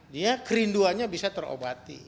dia kerinduannya bisa terobati